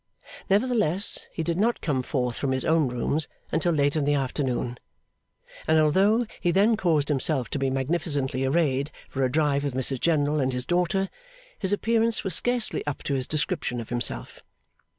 Nevertheless, he did not come forth from his own rooms until late in the afternoon; and, although he then caused himself to be magnificently arrayed for a drive with Mrs General and his daughter, his appearance was scarcely up to his description of himself.